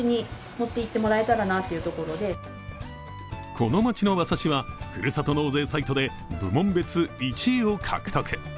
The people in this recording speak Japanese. この町の馬刺しはふるさと納税サイトで部門別１位を獲得。